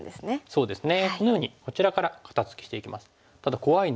そうですね。